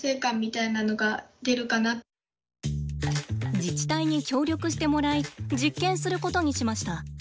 自治体に協力してもらい実験することにしました。